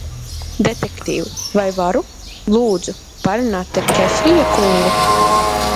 Detektīv, vai varu, lūdzu, parunāt ar Kefrija kungu?